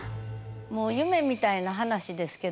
もう夢みたいな話ですけどね